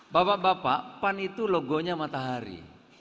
bapak bapak pan itu logonya matahari